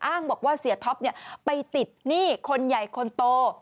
อ้างบอกว่าเสียท็อปไปติดหนี้คนใหญ่คนโต